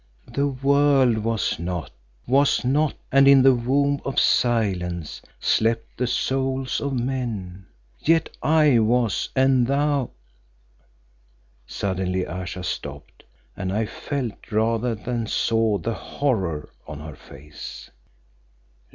"The world was not, was not, and in the womb of Silence Slept the souls of men. Yet I was and thou " Suddenly Ayesha stopped, and I felt rather than saw the horror on her face.